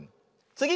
つぎ！